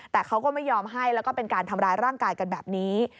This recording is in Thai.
แต่เขาก็ไม่ยอมให้แล้วก็เป็นการทำร้ายร่างกายกันแบบนี้